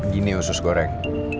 gini ya usus goreng